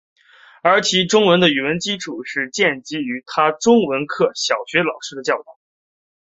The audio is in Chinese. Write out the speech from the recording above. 而其中文的语文基础是建基于他中文科小学老师的教导。